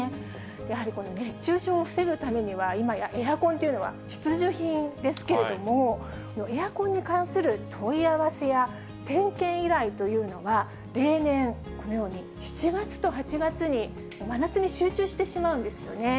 やはり熱中症を防ぐためには、今やエアコンというのは必需品ですけれども、エアコンに関する問い合わせや点検依頼というのは、例年、このように７月と８月に、真夏に集中してしまうんですよね。